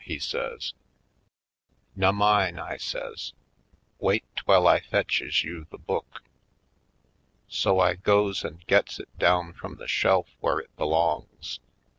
he says. "Nummine," I says. "Wait 'twell I fetches you the book." So I goes and gets it down from the shelf where it belongs.